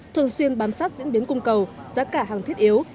thường xuyên bám sát diễn biến cung cầu giá cả hàng thiết yếu